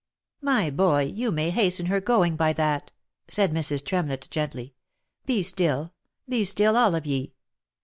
" My boy, you may hasten her going by that," said Mrs. Tremlett, gently. " Be still, be still all of ye